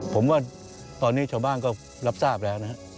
ผมว่าตอนนี้ชาวบ้านก็รับทราบแล้วนะครับ